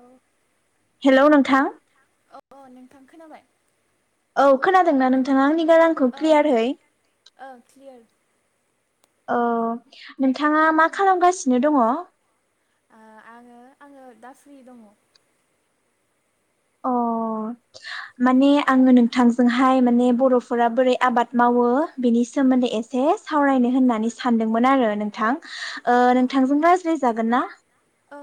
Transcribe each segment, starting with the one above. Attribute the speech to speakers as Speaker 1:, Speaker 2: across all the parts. Speaker 1: औ
Speaker 2: हेल' नोंथां
Speaker 1: अ अ नोंथां खोनाबाय?
Speaker 2: औ खोनादों नोंथाङा आंनि गारां आंखौ
Speaker 1: औ
Speaker 2: क्लियार है
Speaker 1: औ क्लियार
Speaker 2: अ नोंथाङा मा खालामगासिनो दङ'?
Speaker 1: ओ आङो आङो दा फ्रि दङ'
Speaker 2: अ माने आङो नोंथांजोंहाय माने बर'फोरा बोरै आबाद मावो बेनि सोमोन्दै एसे सावरायनो होननानै सानदोंमोन आरो नोंथां ओ नोंथांजों रज्लायजागोन ना?
Speaker 1: औ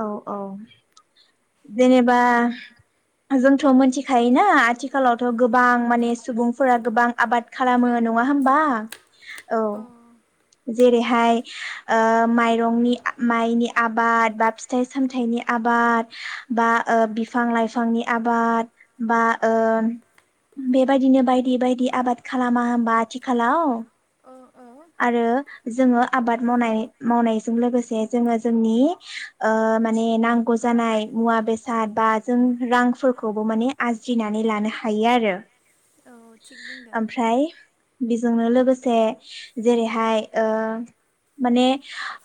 Speaker 2: औ औ जेनेबा जोंथ' मोनथिखायोना आथिखालावथ' गोबां माने सुबुंफोरा गोबां आबाद खालामो नङा होमबा औ जेरैहाय ओ माइरंनि माइनि आबाद बा फिथाइ सामथाइनि आबाद बा ओ बिफां लाइफांनि आबाद बा ओ बेबायदिनो बायदि बायदि आबाद खालामा होनबा आथिखालाव?
Speaker 1: औ औ
Speaker 2: आरो जोङो आबाद मावनाय मावनायजों लोगोसे जोङो जोंनि ओ माने नांगौ जानाय मुवा बेसाद बा जों रांफोरखौबो माने आज्रिनानै लानो हायो आरो
Speaker 1: औ थिग बुंदों
Speaker 2: ओमफ्राय बेजोंनो लोगोसे जेरैहाय ओ माने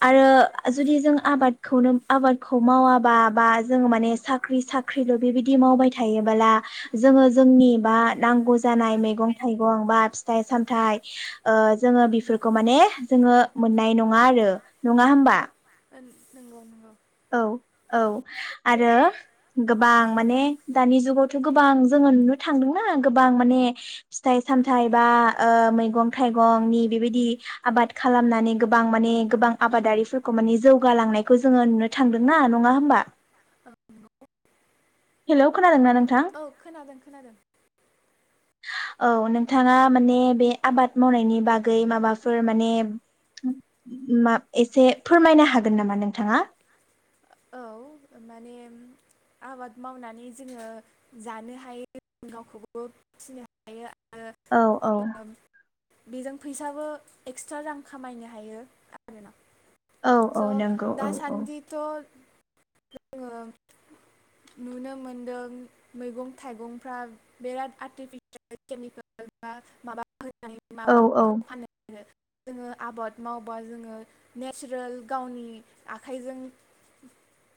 Speaker 2: आरो जुदि जों आबादखौनो आबादखौ मावाबा बा जोङो माने साख्रि साख्रिल' बेबायदि मावबाय थायोबोला जोङो जोंनि बा नांगौ जानाय मैगं थाइगं बा फिथाइ सामथाय ओ जोङो बि फोरखौ माने जोङो मोननाय नङा आरो नङा होमबा?
Speaker 1: नंगौ नंगौ
Speaker 2: औ औ आरो गोबां माने दानि जुगावथ' गोबां जोङो नुनो थांदोंना गोबां माने फिथाइ सामथाइ बा ओ मैगं थाइगंनि बेबायदि आबाद खालामनानै गोबां माने गोबां आबादारिफोरखौ माने जौगालांनायखौ जोङो नुनो थांदों ना नङा होमबा? हेल'खोन
Speaker 1: औ खोनादों खोनादों
Speaker 2: औ नोंथाङा माने बे आबाद मावनायनि बागै माबाफोर माने मा एसे फोरमायनो हागोन नामा नोंथाङा?
Speaker 1: औ माने आबाद मावनानै जोङो जानो हायो गावखौबो फिनो हायो आरो
Speaker 2: औ औ
Speaker 1: बेजों फैसाबो एक्सट्रा रां खामायनो हायो आरोना।
Speaker 2: औ औ
Speaker 1: स'
Speaker 2: नोंगौ औ औ
Speaker 1: दासान्दिथ' जोङो नुनो मोनदों मैगं थाइगंफ्रा बिराद आर्टिफिसियेल केमिकेल बा माबा होनानै
Speaker 2: औ औ
Speaker 1: माबानायखौ फाननो आरो जोङो आबाद मावबा जोङो नेचारेल गावनि आखाइजों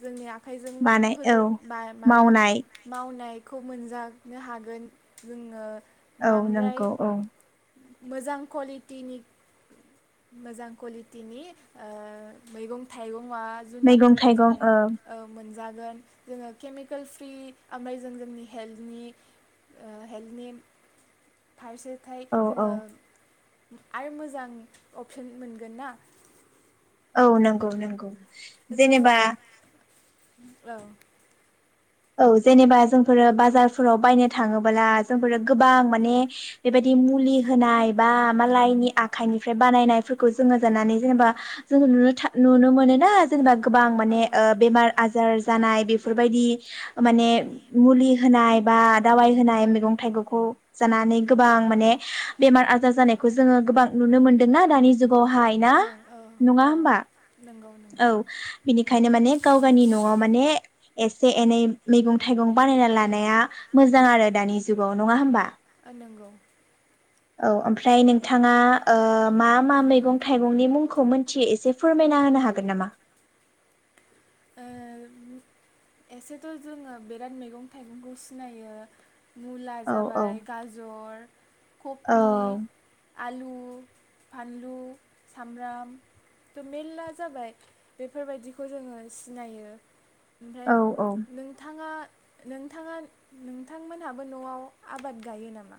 Speaker 1: जोंनि‌ आ आखाइजों
Speaker 2: बानाय
Speaker 1: फोर
Speaker 2: औ
Speaker 1: बा माबा
Speaker 2: मावनाय
Speaker 1: मावनाय खौ मोनजानो हागोन जोङो
Speaker 2: औ
Speaker 1: बांद्राय
Speaker 2: नोंगौ औ
Speaker 1: मोजां कलिटिनि मोजां कलिटिनि ओ मैगं थाइगं मुवा
Speaker 2: मैगं
Speaker 1: जुनादफोरखौ जों
Speaker 2: थाइगं औ
Speaker 1: ओ मोन जागोन जोङो केमिकेल फ्रि ओमफाय जों जोंनि हेल्टनि ओ हेल्टनि फारसे
Speaker 2: औ औ
Speaker 1: जोङो आरो मोजां अपसन मोनगोन ना।
Speaker 2: औ नोंगौ नोंगौ
Speaker 1: थ'
Speaker 2: जेनेबा
Speaker 1: औ
Speaker 2: औ जेनेबा जोंफोरो बाजारफोराव बायनो थाङोबोला जोंफोरो गोबां माने बेबायदि मुलि होनाय बा
Speaker 1: होनाय
Speaker 2: मालायनि आखाइनि बानायनायफोरखौ जोङो जानानै जेनेबा जों नुनो था नुनो मोनोना जोंना गोबां माने
Speaker 1: ओं ओं
Speaker 2: ओ बेमार आजार जानाय बेफोरबायदि माने मुलि होनाय बा दावाइ होनाय मैगं थाइगंखौ जानानै गोबां माने बेमार आजार जानायखौ जोङो गोबां नुनो मोनदोंना दानि जुग आवहाय ना
Speaker 1: ओं औ
Speaker 2: नङा
Speaker 1: औ
Speaker 2: होमबा
Speaker 1: नंगौ
Speaker 2: औ
Speaker 1: नंगौ
Speaker 2: बिनिखायनो माने गाव गावनि न'आव माने एस एसे एनै मैगं थाइगं बानायना लानाया मोजां आरो दानि जुगाव नङा होमबा?
Speaker 1: नोंगौ
Speaker 2: औ ओमफ्राय नोंथाङा ओ मा मा मैगं थाइगंनि मुंखौ मोनथियो एसे फोरमायना होनो हागोन नामा?
Speaker 1: ओ एसेथ' जोङो बिराद मैगं थाइगंखौ सिनायो मुला
Speaker 2: औ औ
Speaker 1: जाबाय गाजर
Speaker 2: औ
Speaker 1: कपि आलु, फानलु, सामब्राम, त' मेर्ला जाबाय बेफोरबायदिखौ जोङो सिनायो। ओमफ्राय
Speaker 2: औ औ
Speaker 1: नोंथाङा नोंथाङा नोंथांमोनहाबो न'आव आबाद गायो नामा?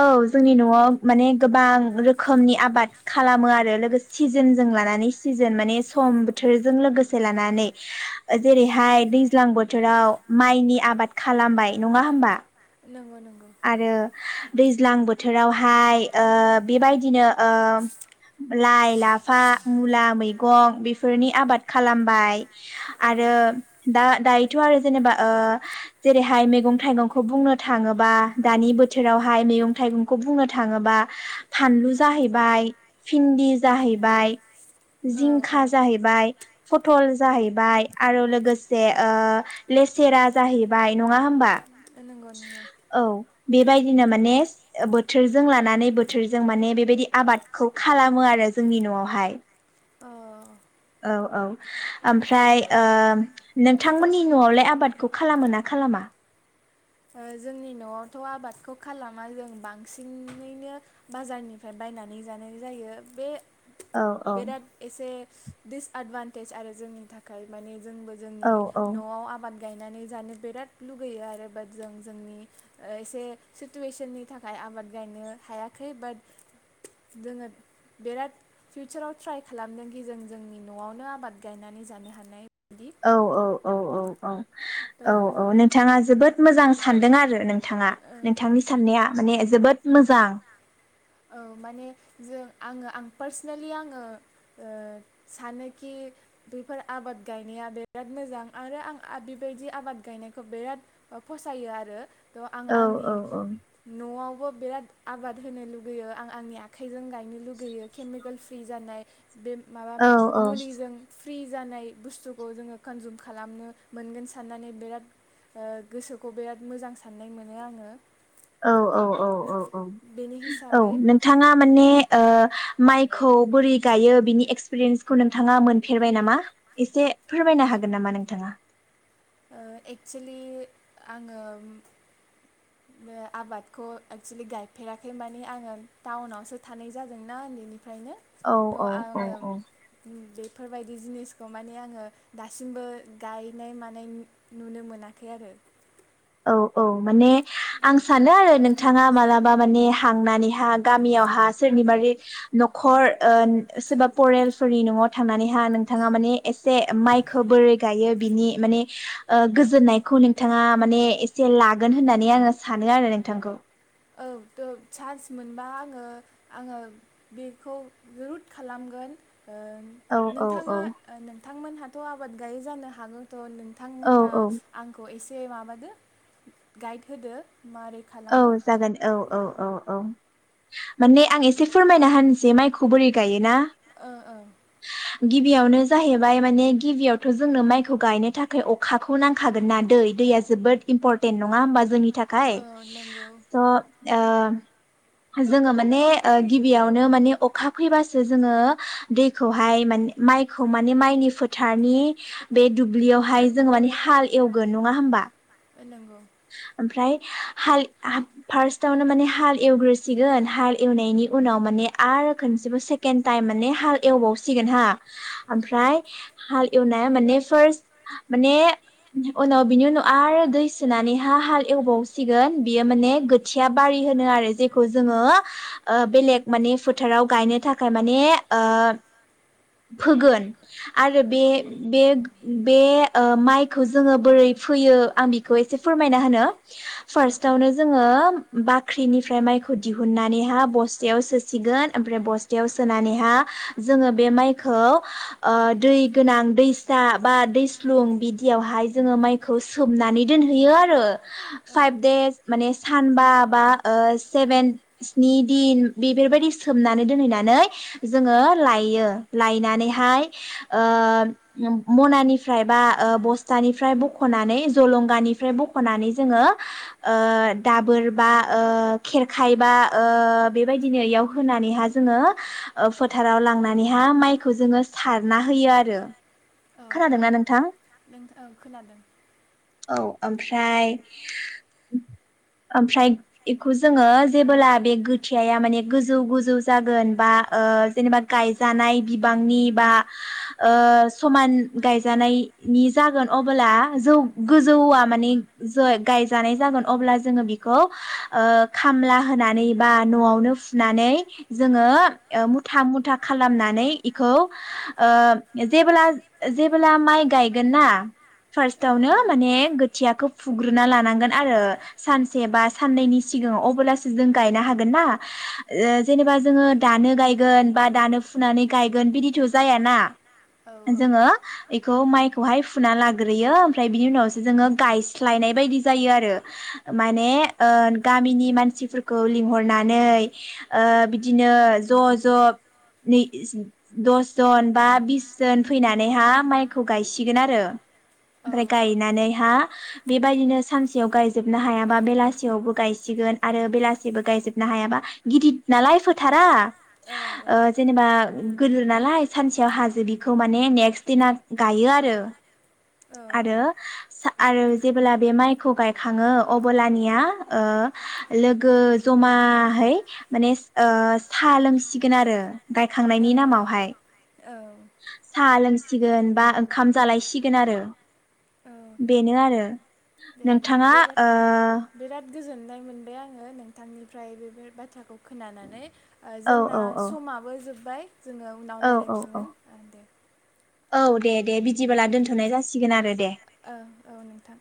Speaker 2: औ जोंनि न'आव माने गोबां रोखोमनि आबाद खालामो आरो लोगोसे सिजोनजों लानानै सिजोन माने सम बोथोरजों लोगोसे लानानै जेरैहाय दैज्लां बो बोथोराव माइनि आबाद खालामबाय नङा होमबा?
Speaker 1: नोंगौ नों
Speaker 2: आरो दैज्लां बोथोरावहाय ओ बेबायदिनो ओ लाइ, लाफा, मुला मैगं बेफोरनि आबाद खालामबाय।
Speaker 1: औ दा दायोथ' जेनेबा ओ जेरैहाय मैगं थाइगंखौ बुंनो थाङोबा दानि बोथोरावहाय मैगं थाइगंखौ बुंनो थाङोबा फानलु जाहैबाय
Speaker 2: आरो दा दायोथ' आरो जेनेबा ओ जेरैहाय मैगं थाइगंखौ बुंनो थाङोबा दानि बोथोरावहाय मैगं थाइगंखौ बुंनो थाङोबा फानलु जाहैबाय भिन्दि जाहैबाय।
Speaker 1: औ औ
Speaker 2: जिंखा जाहैबाय। फटल जाहैबाय आरो लोगोसे ओ लेसेरा जाहैबाय नङा होमबा?
Speaker 1: नंगौ नंगौ
Speaker 2: गौ बेबायदिनो माने बोथोरजों लानानै बोथोरजों माने बेबायदि आबादखौ खालामो आरो जोंनि न'आवहाय।
Speaker 1: अ
Speaker 2: औ औ ओमफ्राय ओ नोंथांमोननि न'आवलाय आबादखौ खालामो ना खालामा?
Speaker 1: जोंनि न'आवथ' आबादखौ खालामा जों बांसिनैनो बाजारनिफ्राय बायनानै जानाय जायो। बे
Speaker 2: औ
Speaker 1: बेराद एसे दिसएदभान्टेज आरो जोंनि थाखाय माने जोंबो जोंनि
Speaker 2: औ औ
Speaker 1: न'आव आबाद गायनानै जानो बिराद लुगैयो आरो बाट जों जोंनि एसे सिटुवेसननि थाखाय आबाद गायनो हायाखै। बाट जोङो बिराद फिउचाराव ट्राइ खालामदोंखि जों जोंनि न'आवनो आबाद गायनानै जानो हानाय। बिदि
Speaker 2: औ औ औ औ औ। औ
Speaker 1: थ'
Speaker 2: औ नोंथाङा जोबोद मोजां सानदों आरो नों थाङा नोंथांनि साननाया माने जोबोद मोजां
Speaker 1: औ माने जों आङो आं पार्सनेलि आङो, ओ सानोखि बेफोर आबाद गायनाया बिराद मोजां। आरो आं बेबायदि आबाद गायनायखौ बिराद ओ फसायो आरो। थ' आं
Speaker 2: औ
Speaker 1: आंनि
Speaker 2: औ
Speaker 1: न'आवबो बिराद आबाद होनो लुब होयो आं आंनि आखाइजों गाय लुगैयो केमिकेल फ्रि जानाय बे माबा
Speaker 2: औ
Speaker 1: मुलिजों फ्रि जानाय बुस्थुखौ जोङो कनजुम खालामनो मोनगोन साननानै बिराद, ओ गोसोखौ बिराद मोजां साननाय मोनो आङो।
Speaker 2: औ औ औ औ
Speaker 1: बेनि हिस
Speaker 2: औ नोंथाङा माने ओ माइखौ बोरै गायो बिनि एक्सपिरियेन्सखौ नोंथाङा मोनफेरबाय नामा? एसे फोरमायनो हागोन नामा नोंथाङा?
Speaker 1: ओ एक्सोलि आङो आबादखौ एक्सोलि गायफेराखै माने, आङो टाउनावसो थानाय जादोंना उन्दैनिफ्राय ओंखायनो
Speaker 2: औ औ
Speaker 1: थ' आङो
Speaker 2: औ
Speaker 1: उम बे बेफोरबायदि जिनिसखौ माने आङो, दासिमबो गायनाय मानाय नुनो मोनाखै आरो।
Speaker 2: औ औ औ माने आं सानो आरो नोंथाङा मालाबा माने हांनानैहा गामियावहा सोरनिबा न'खर ओ सोरबा परेलफोरनि न'आव थांनानैहा नोंथाङा माने एसे माइखो बोरै गायो बिनि माने ओ गोजोननायखौ नोंथाङा माने एसे लागोन होननानै आङो सानो आरो नोंथांखौ।
Speaker 1: औ दों चान्स मोनबा आङो आङो बेखौ रुद खालामगोन। ओ
Speaker 2: औ औ औ
Speaker 1: नोंथाङा‌ ओ नोंथां थांमोनहाथ' आबाद गायो जानो हागौ थ'
Speaker 2: औ
Speaker 1: नोंथांमोनहा
Speaker 2: औ
Speaker 1: आंखौ एसे से माबादो गाइड होदो। मारै खालामो।
Speaker 2: औ औ जागोन औ औ औ। माने आं एसे फोरमायना होनसै माइखौ बोरै गायोना।
Speaker 1: ओ ओ।
Speaker 2: गिबियावनो जाहैबाय माने गिबियावथ' जोंनो माइखौ गायनो थाखाय अखाखौ नांखागोन ना दै दैया जोबोद इम्परटेन्ट नङा होमबा? जोंनि थाखाय।
Speaker 1: नोंगौ।
Speaker 2: स' ओ जोङो माने गिबियावनो माने अखा फैबासो जोङो दैखौहाय माने माइखौ माने माइनि फोथारनि बे दुब्लियावहाय जोङो माने हाल एवगोन नङा होमबा?
Speaker 1: ओ नोंगौ।
Speaker 2: ओमफ्राय हाल फार्स्टआवनो माने हाल एवग्रोसिगोन हाल एवनायनि उनाव माने आरो खनसेबो सेकेड टाइम माने हाल एवबावसिगोन हा ओमफ्राय हाल एवनाया माने फार्स्ट माने उनाव बिनि उनाव आरो दै होनानै हा हाल एवबाव सिगोन बेयो माने गोथिया बारि होनो आरो जेखौ जोङो ओ बेलेग माने फोथाराव गायनो थाखाय माने ओ फोगोन आरो बे बे बे ओ‌ माइखौ जोङो बोरै फोयो आं‌ खौ एसे फोरमायना होनो।
Speaker 1: औ
Speaker 2: फार्स्टावनो जोङो। बाख्रिनिफ्राय माइखौ दिहुननानैहा बस्थायाव सोसिगोन ओमफ्राय बस्थायाव सोनानैहा जोङो बे माइखौ ओ दै गोनां दैसा बा दैस्लुं बिदियावहाय जोङो माइखौ सोमनानै। दोनहैयो आरो। फाइब देस माने सान बा बा ओ सेबेन सिन्न दिन बेफोरबादि सोमनानै दोनहैनानै जोङो लाययो लायनानैहाय ओ म मनानिफ्राय बा ओ बस्था निफ्राय बखनानै जलं गानिफ्राय बख'नानै जोङो ओ दाबोर बा ओ खेरखायबा ओ बेबायदिनो इयाव होनानैहा जोङो फोथाराव लांनानैहा माइखौ जोङो सारना होयो आरो।
Speaker 1: औ औ
Speaker 2: खोनादोंना नोंथां?
Speaker 1: खोनादोंना नोंथां नों औ खोनादों।
Speaker 2: औ ओमफ्राय ओमफ्राय बेखौ जोङो जेबोला बे गोथियाया माने गोजौ गोजौ जागोन बा जेनेबा गायजानाय बिबांनि बा ओ समान गायजानायनि जागोन अब्ला जौ गोजौआ माने जो गायजानाय जागोन अब्ला जोङो बेखौ खामला होनानै बा न'आवनो फुनानै जोङो ओ मुथा मुथा खालामनानै इखौ जेब्ला जेब्ला माइ गायगोन ना।
Speaker 1: औ
Speaker 2: फार्स्टावनो माने गोथियाखौ फुग्रोनना लानांगोन आरो सानसे बा साननैनि सिगाङाव अब्लासो जों गायनो हागोन ना ओ जेनेबा जोङो दानो गायगोन बा दानो फुनानै गायगोन बिदिथ' जायाना।
Speaker 1: औ। औ औ
Speaker 2: जोङो बेखौ माइखौहाय फुना लाग्रोयो ओमफ्राय बिनि उनावसो जोङो गायस्लायनाय बायदि जायो आरो माने ओ गामिनि मानसिफोरखौ लिंहरनानै ओ बिदिनो ज' ज' नै दसजन बा बिसजोन फैनानैहा माइखौ गायसिगोन आरो।
Speaker 1: औ
Speaker 2: ओमफ्राय
Speaker 1: औ
Speaker 2: गायनानैहा। बेबायदिनो सानसेयाव गायजोबनो हायाबा बेलासियावबो गायसिगोन आरो बेलासेबो गायजोबनो हायाबा गिदद नालाय फोथारा। ओ जेनेबा गोदोर नालाय सानसेयाव हाजो बि खौ माने नेक्स्ट दिना गायो आरो। आरो सा आरो जेबोला बे माइखौ गायखाङो अबोलानिया लोगो जमाहै माने साहा लोंसिगोन आरो गायखांनायनि नामावहाय साहा लोंसिगोन बा ओंखाम जालायसिगोन आरो बेनो आरो
Speaker 1: दे
Speaker 2: नोंथाङा
Speaker 1: बिराद बिराद गोजोननाय मोनबाय आङो नोंथांनिफ्राय बेफोर बाथ्राखौ खोनानानै
Speaker 2: औ
Speaker 1: जोंना
Speaker 2: औ औ
Speaker 1: समाबो जोब्बाय जोङो उनाव
Speaker 2: औ औ
Speaker 1: रायज्लायफिनगोन दे
Speaker 2: औ देे दे बिदिब्ला दोनथ'नाय जासिगोन सिगोन आरो दे।
Speaker 1: ओ औ नोंथां।